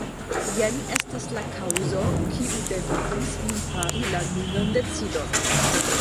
Jen estas la kaŭzo, kiu devigis min fari la nunan decidon.